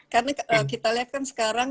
karena kita lihat kan sekarang